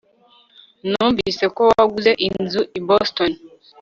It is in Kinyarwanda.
numvise ko waguze inzu i boston